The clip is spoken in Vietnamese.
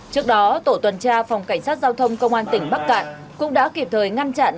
trước đó tổ tuần tra phòng cảnh sát giao thông công an tỉnh bắc cạn cũng đã kịp thời ngăn chặn